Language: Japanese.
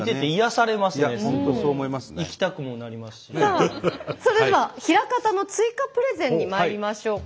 さあそれでは枚方の追加プレゼンにまいりましょうか。